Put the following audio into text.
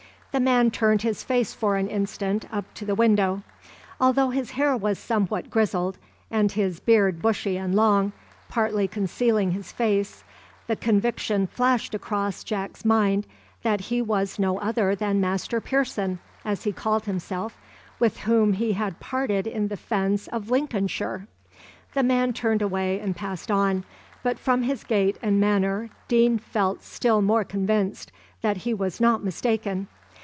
The man turned his face for an instant up to the window. Although his hair was somewhat grizzled and his beard bushy and long, partly concealing his face, the conviction flashed across Jack's mind that he was no other than Master Pearson, as he called himself, with whom he had parted in the fens of Lincolnshire! The man turned away and passed on; but from his gait and manner, Deane felt still more convinced that he was not mistaken.